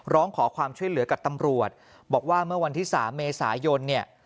ร้องขอความช่วยเหลือกับตำรวจบอกว่าเมื่อวันที่๓เมษายนเนี่ย